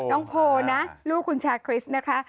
น้องโพลนะลูกคุณชาคริสนะคะ